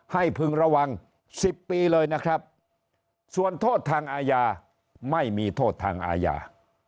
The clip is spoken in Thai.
พึงระวัง๑๐ปีเลยนะครับส่วนโทษทางอาญาไม่มีโทษทางอาญา